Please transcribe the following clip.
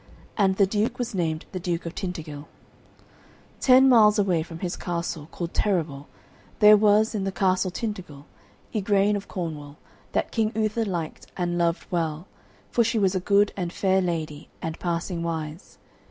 And the duke was named the Duke of Tintagil. Ten miles away from his castle, called Terrabil, there was, in the castle Tintagil, Igraine of Cornwall, that King Uther liked and loved well, for she was a good and fair lady, and passing wise.